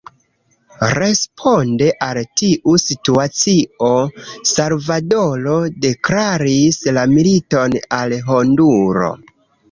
Responde al tiu situacio, Salvadoro deklaris la militon al Honduro.